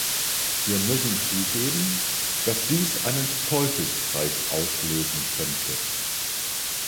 Wir müssen zugeben, dass dies einen Teufelskreis auslösen könnte.